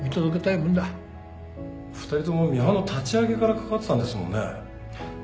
２人ともミハンの立ち上げから関わってたんですもんね。